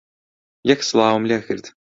یەک سڵاوم لێ دەکرد